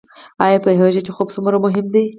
ایا پوهیږئ چې خوب څومره مهم دی؟